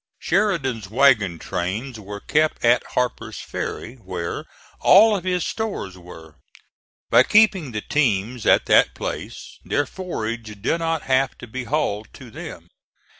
Sheridan's wagon trains were kept at Harper's Ferry, where all of his stores were. By keeping the teams at that place, their forage did not have to be hauled to them.